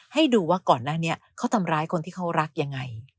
ให้ดูว่าก่อนหน้านี้เขาทำร้ายคนที่เขารักยังไง